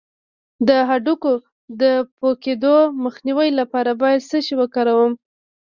د هډوکو د پوکیدو مخنیوي لپاره باید څه شی وکاروم؟